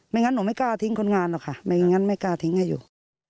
งั้นหนูไม่กล้าทิ้งคนงานหรอกค่ะไม่งั้นไม่กล้าทิ้งให้อยู่